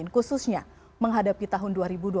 khususnya menghadapi tahun dua ribu dua puluh